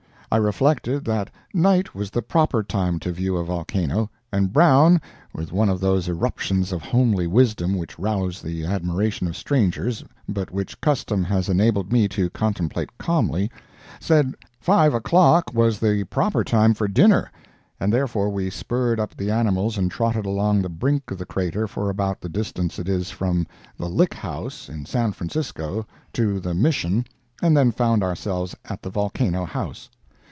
I reflected that night was the proper time to view a volcano, and Brown, with one of those eruptions of homely wisdom which rouse the admiration of strangers, but which custom has enabled me to contemplate calmly, said five o'clock was the proper time for dinner, and therefore we spurred up the animals and trotted along the brink of the crater for about the distance it is from the Lick House, in San Francisco, to the Mission, and then found ourselves at the Volcano House.